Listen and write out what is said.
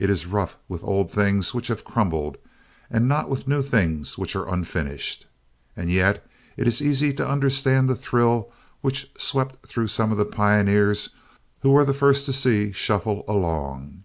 It is rough with old things which have crumbled and not with new things which are unfinished. And yet it is easy to understand the thrill which swept through some of the pioneers who were the first to see Shuffle Along.